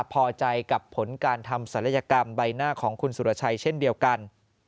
พอใจกับผลการทำศัลยกรรมใบหน้าของคุณสุรชัยเช่นเดียวกัน